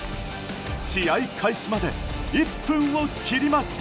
試合開始まで１分を切りました。